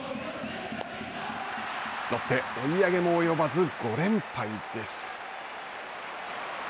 ロッテ、追い上げも及ばず５連敗です。